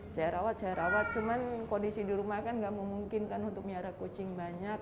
saya rawat rawat cuman kondisi di rumah kan gak memungkinkan untuk miara kucing banyak